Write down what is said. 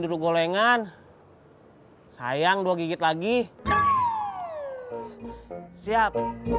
duduk gorengan sayang dua gigit lagi siap